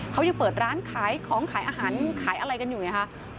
เขายังเปิดร้านขายของขายอาหารขายอะไรกันอยู่ไงคะ